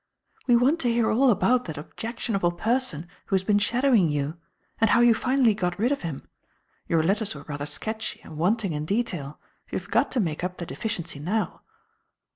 "We want to hear all about that objectionable person who has been shadowing you, and how you finally got rid of him. Your letters were rather sketchy and wanting in detail, so you have got to make up the deficiency now."